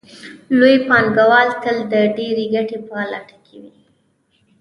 لوی پانګوال تل د ډېرې ګټې په لټه کې وي